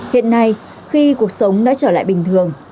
hiện nay khi cuộc sống đã trở lại bình thường